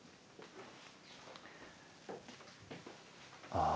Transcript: ああ。